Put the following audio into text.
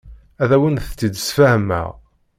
Ad awent-tt-id-sfehmeɣ.